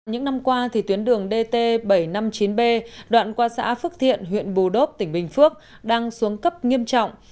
những năm qua tuyến đường dt bảy trăm năm mươi chín b đoạn qua xã phước thiện huyện bù đốc tỉnh bình phước đang xuống cấp nghiêm trọng